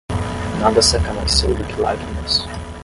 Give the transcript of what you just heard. Nada seca mais cedo que lágrimas.